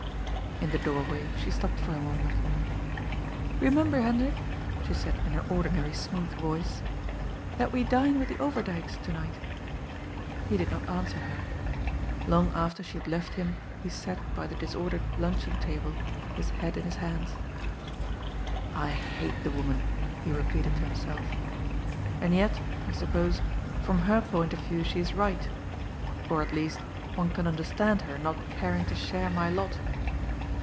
In the doorway she stopped for a moment. "Remem ber, Hendrik," she said in her ordinary smooth voice, " that we dine with the Overdyks to night." He did not answer her. Long after she had left him he sat by the disordered luncheon table, his head in his hands. " I hate the woman," he repeated to himself, " and yet, I suppose, from her point of view she is right. Or, at least, one can understand her not caring to share my lot."